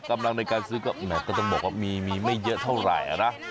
กำลังในการซื้อก็มีไม่เยอะเท่าไหร่ละ